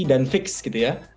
dan fix gitu ya